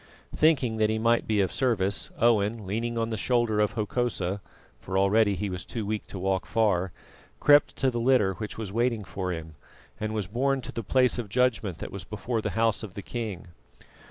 Thinking that he might be of service, Owen, leaning on the shoulder of Hokosa, for already he was too weak to walk far, crept to the litter which was waiting for him, and was borne to the place of judgment that was before the house of the king.